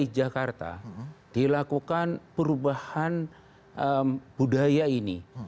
di jakarta dilakukan perubahan budaya ini